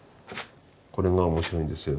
これが面白いんですよ。